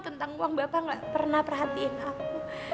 tentang uang bapak nggak pernah perhatiin aku